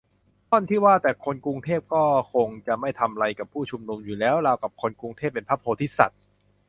ท่อนที่ว่า "แต่คนกรุงเทพก็คงจะไม่ทำไรผู้ชุมนุมอยู่แล้ว" ราวกับคนกรุงเทพเป็นพระโพธิสัตว์